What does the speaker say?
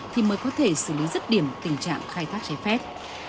thì mới có thể xử lý rất điểm tình trạng khai thác trái phép